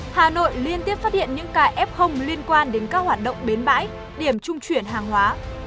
hà nội liên tiếp phát hiện những kf liên quan đến các hoạt động bến bãi điểm trung chuyển hàng hóa